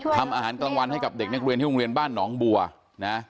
ทำอาหารกลางวันให้กับเด็กนักเรียนที่โรงเรียนบ้านหนองบัวนะ